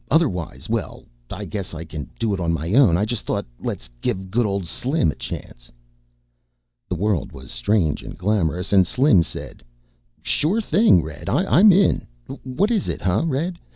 Otherwise Well, I guess I can do it on my own. I just thought: Let's give good old Slim a chance." The world was strange and glamorous, and Slim said, "Sure thing, Red. I'm in! What is it, huh, Red?